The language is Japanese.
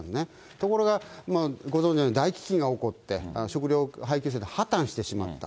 ところが、ご存じのように大飢きんが起こって、食糧配給制が破綻してしまった。